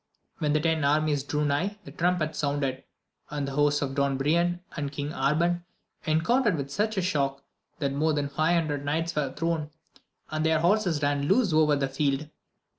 When the ten armies drew nigh, the trumpet sounded, and the hosts of Don Brian and King Arban encoun tered with such a shock, that more than five hundred knights were thrown, and their horses ran loose over the field.